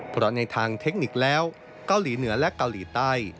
เพราะในทางเทคนิคแล้วเกาหลีเหนือและเกาหลีใต้